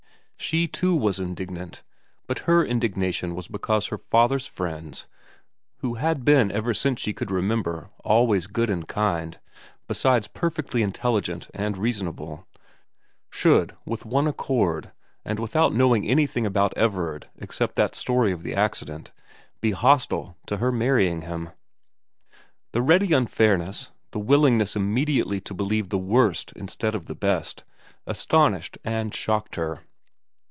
She, too, was indignant, but her indignation was because her father's friends, who had been ever since she could remember always good and kind, besides perfectly intelligent and reasonable, should with one accord, and without knowing anything about Everard except that story of the accident, be hostile to her marrying him. The ready unfairness, the willingness immediately to believe the worst instead of the best, astonished and shocked her.